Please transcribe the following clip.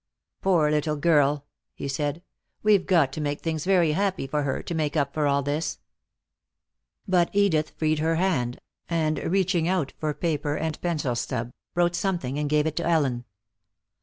"Poor little girl," he said. "We've got to make things very happy for her, to make up for all this!" But Edith freed her hand, and reaching out for paper and pencil stub, wrote something and gave it to Ellen.